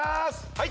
はい！